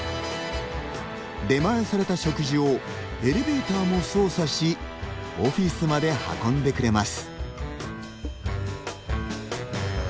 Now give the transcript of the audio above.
出前された食事をエレベーターも操作しオフィスまで運んでくれます。